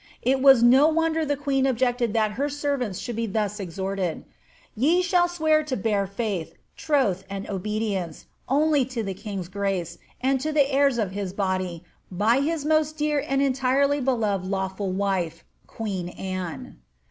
It was no wonder the queen objected that her senrants should be thus exhorted: ^ Ye shall swear to bear faith, troth, and obedience, only to the king's grace, and to the heirs of his body, by his most dear and entirely Moved lawful wife, queen Anne."